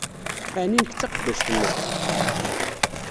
Ɛni nekk d taqeddact-nnek?